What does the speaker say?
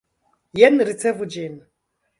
Jen ricevu ĝin!